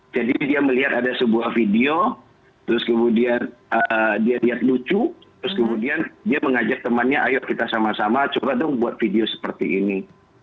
jadi dia melihat ada sebuah video terus kemudian dia lihat lucu terus kemudian dia mengajak temannya ayo kita sama sama coba dong buat video seperti ini